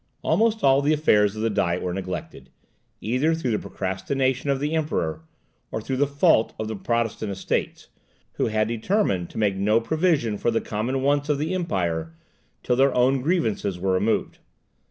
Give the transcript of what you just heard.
Almost all the affairs of the Diet were neglected, either through the procrastination of the Emperor, or through the fault of the Protestant Estates, who had determined to make no provision for the common wants of the Empire till their own grievances were removed.